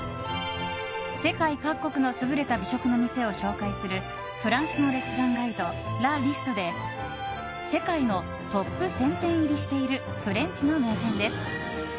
世界各国の優れた美食の店を紹介するフランスのレストランガイドラ・リストで世界のトップ１０００店入りしているフレンチの名店です。